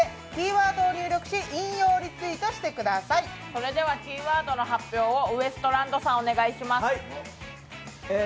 それではキーワードの発表をウエストランドさん、お願いします。